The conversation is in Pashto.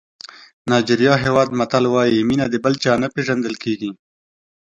نایجېریا هېواد متل وایي مینه د بل چا نه پېژندل کېږي.